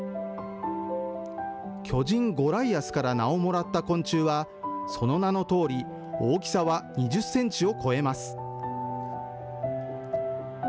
巨人、ゴライアスから名をもらった昆虫はその名のとおり大きさは２０センチを超えます。